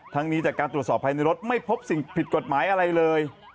นี้จากการตรวจสอบภายในรถไม่พบสิ่งผิดกฎหมายอะไรเลย